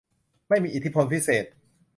ไม่มีอิทธิพลพิเศษ